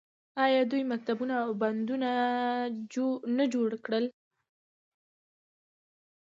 آیا دوی مکتبونه او بندونه نه جوړ کړل؟